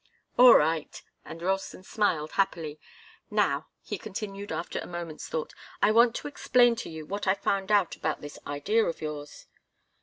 "All right!" And Ralston smiled happily. "Now," he continued after a moment's thought, "I want to explain to you what I've found out about this idea of yours."